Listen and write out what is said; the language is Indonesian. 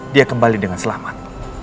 dia kembali dengan selamat